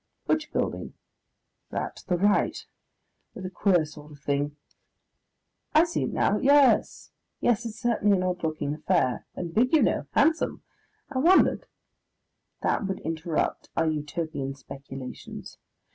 "Which building?" "That to the right with a queer sort of thing " "I see now. Yes. Yes, it's certainly an odd looking affair.... And big, you know! Handsome! I wonder " That would interrupt our Utopian speculations.